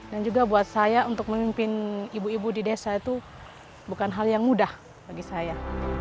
dan juga buat saya untuk memimpin ibu ibu di desa itu bukan hal yang mudah bagi saya